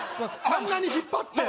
あんなに引っ張って？